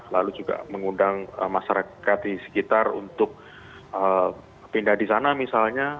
lalu juga mengundang masyarakat di sekitar untuk pindah di sana misalnya